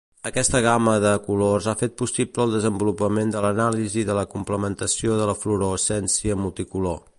Aquesta gama de colors ha fet possible el desenvolupament de l'anàlisi de la complementació de la fluorescència multicolor.